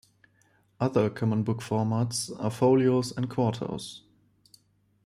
Other common book formats are folios and quartos.